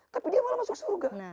tapi dia malah masuk surga